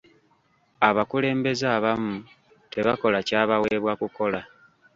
Abakulembeze abamu tebakola kyabaweebwa kukola.